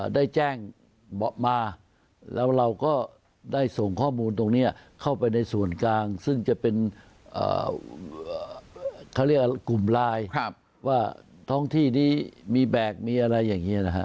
ได้แจ้งเบาะมาแล้วเราก็ได้ส่งข้อมูลตรงนี้เข้าไปในส่วนกลางซึ่งจะเป็นเขาเรียกกลุ่มไลน์ว่าท้องที่นี้มีแบกมีอะไรอย่างนี้นะฮะ